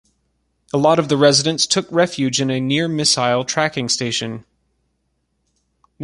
A lot of the residents took refuge in a near missile tracking station.